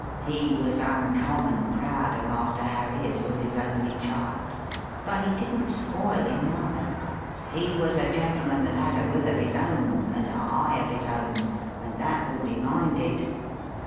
He was uncommon proud of Master Harry as was his only child; but he didn't spoil him neither. He was a gentleman that had a will of his own and a eye of his own, and that would be minded.